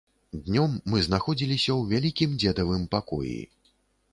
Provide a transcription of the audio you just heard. Днём мы знаходзіліся ў вялікім дзедавым пакоі.